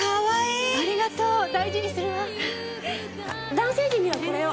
男性陣にはこれを。